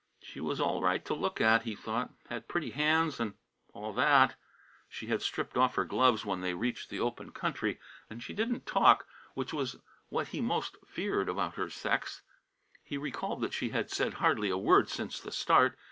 She was all right to look at, he thought, had pretty hands and "all that" she had stripped off her gloves when they reached the open country and she didn't talk, which was what he most feared in her sex. He recalled that she had said hardly a word since the start.